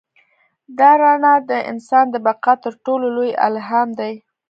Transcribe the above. دا رڼا د انسان د بقا تر ټولو لوی الهام دی.